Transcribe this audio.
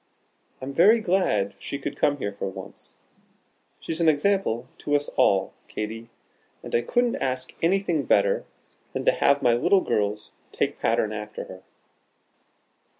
I'm very glad she could come here for once. She's an example to us all, Katy, and I couldn't ask anything better than to have my little girls take pattern after her."